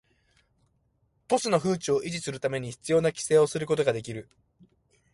都市の風致を維持するため必要な規制をすることができる